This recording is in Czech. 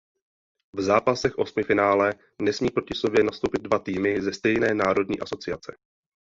V zápasech osmifinále nesmí proti sobě nastoupit dva týmy ze stejné národní asociace.